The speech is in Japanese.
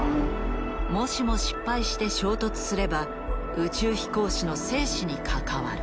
もしも失敗して衝突すれば宇宙飛行士の生死に関わる。